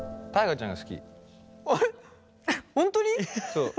そう。